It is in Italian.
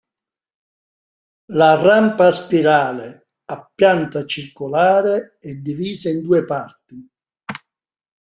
La rampa a spirale, a pianta circolare, è divisa in due parti.